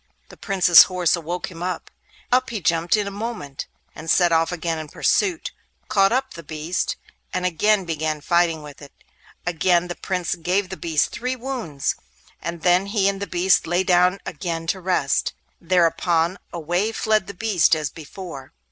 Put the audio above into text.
The Prince's horse awoke him; up he jumped in a moment, and set off again in pursuit, caught up the beast, and again began fighting with it. Again the Prince gave the beast three wounds, and then he and the beast lay down again to rest. Thereupon away fled the beast as before.